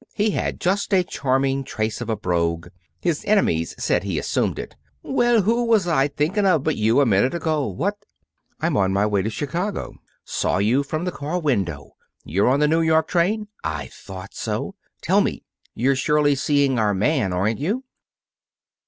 He had just a charming trace of a brogue. His enemies said he assumed it. "Well, who was I thinkin' of but you a minute ago. What " "I'm on my way to Chicago. Saw you from the car window. You're on the New York train? I thought so. Tell me, you're surely seeing our man, aren't you?"